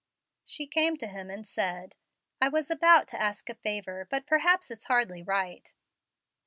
She came to him and said, "I was about to ask a favor, but perhaps it's hardly right."